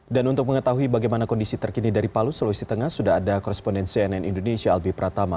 dan untuk mengetahui bagaimana kondisi terkini dari palu sulawesi tengah sudah ada koresponden cnn indonesia albi pratama